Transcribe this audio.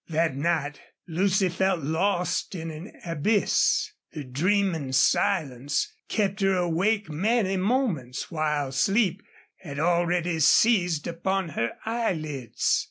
That night Lucy felt lost in an abyss. The dreaming silence kept her awake many moments while sleep had already seized upon her eyelids.